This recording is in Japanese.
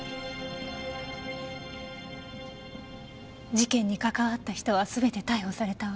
事件に関わった人は全て逮捕されたわ。